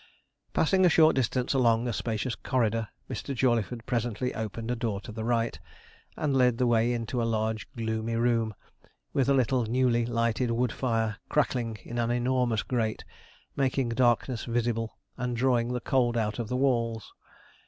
Passing a short distance along a spacious corridor, Mr. Jawleyford presently opened a door to the right, and led the way into a large gloomy room, with a little newly lighted wood fire crackling in an enormous grate, making darkness visible, and drawing the cold out of the walls.